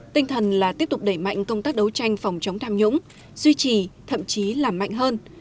tinh thần là tiếp tục đẩy mạnh công tác đấu tranh phòng chống tham nhũng duy trì thậm chí làm mạnh hơn